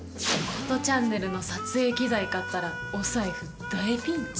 「ことチャンネル」の撮影機材買ったらお財布大ピンチ。